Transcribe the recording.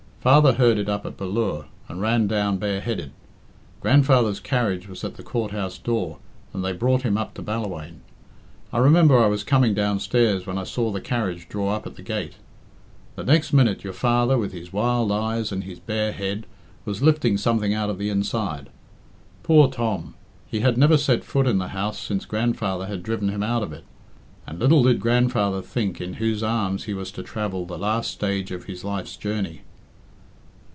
Father heard it up at Ballure and ran down bareheaded. Grandfather's carriage was at the Courthouse door, and they brought him up to Ballawhaine. I remember I was coming downstairs when I saw the carriage draw up at the gate. The next minute your father, with his wild eyes and his bare head, was lifting something out of the inside. Poor Tom! He had never set foot in the house since grandfather had driven him out of it. And little did grandfather think in whose arms he was to travel the last stage of his life's journey."